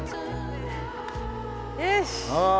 よし。